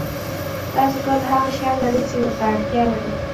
تاسو ټول هغه شیان لرئ چې ورته اړتیا لرئ.